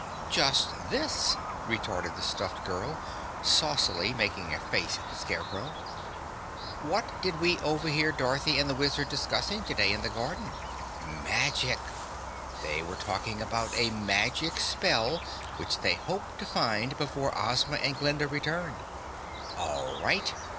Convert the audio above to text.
"Just this," retorted the stuffed girl, saucily making a face at the Scarecrow. "What did we overhear Dorothy and the Wizard discussing today in the garden? Magic! They were talking about a magic spell which they hoped to find before Ozma and Glinda returned. All right.